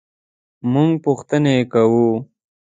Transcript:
مونږ پوښتنې کوو